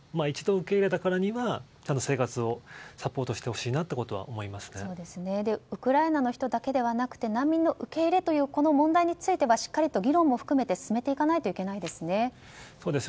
一度受け入れたからには生活をサポートしてほしいなとウクライナの人だけではなくて難民の受け入れという問題についてはしっかりと議論も含めて進めていかないといけないですね。